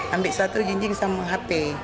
ambil satu jinjing sama hp